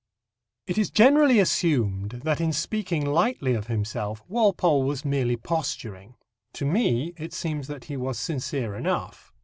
It is generally assumed that, in speaking lightly of himself, Walpole was merely posturing. To me it seems that he was sincere enough.